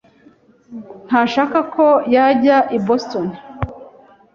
Ntashaka ko yajya i Boston.